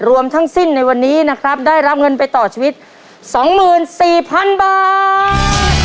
รวมทั้งสิ้นในวันนี้นะครับได้รับเงินไปต่อชีวิต๒๔๐๐๐บาท